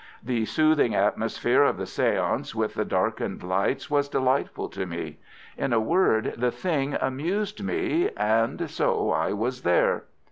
The soothing atmosphere of the séance with the darkened lights was delightful to me. In a word, the thing amused me, and so I was there.